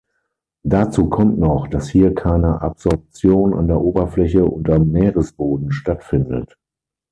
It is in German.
Dazu kommt noch, dass hier keine Absorption an der Oberfläche und am Meeresboden stattfindet.